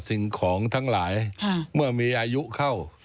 สิ่งของทั้งหลายเมื่อมีอายุเข้า